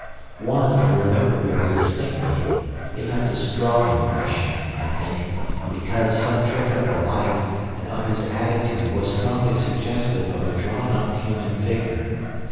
One, I remember very distinctly: he left a strong impression, I think, because some trick of the light and of his attitude was strongly suggestive of a drawn up human figure.